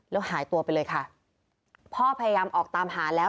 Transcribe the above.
แล้วหายตัวไปเลยค่ะพ่อพยายามออกตามหาแล้ว